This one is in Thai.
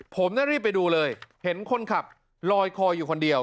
ผมน่ะรีบไปดูเลยเห็นคนขับลอยคออยู่คนเดียว